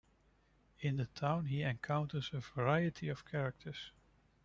In the town he encounters a variety of characters.